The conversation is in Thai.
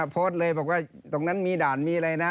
โพสต์เลยบอกว่าตรงนั้นมีด่านมีอะไรนะ